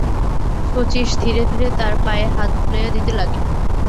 শচীশ ধীরে ধীরে তাঁর পায়ে হাত বুলাইয়া দিতে লাগিল।